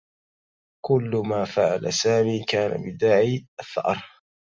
كلّ ما فعل سامي كان بداعي الثّأر.